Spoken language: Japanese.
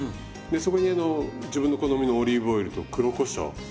でそこにあの自分の好みのオリーブオイルと黒こしょう